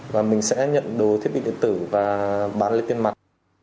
và mình sẽ nhận đồ thiết bị điện tử và bán lấy tiền mặt